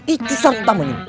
itu syarat utama ini